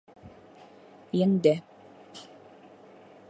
Еңде.